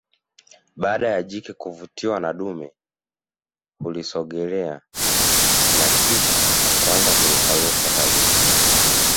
Baada ya jike kuvutiwa na dume hulisogelelea na kisha kuanza kurukaruka karibu